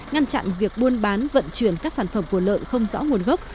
ngăn chặn việc buôn bán vận chuyển các sản phẩm của lợn không rõ nguồn gốc